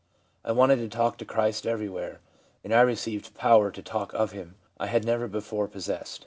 I wanted to talk of Christ everywhere, and I received power to talk of Him I had never before possessed.